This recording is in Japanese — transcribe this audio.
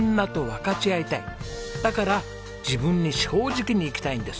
「だから自分に正直に生きたいんです」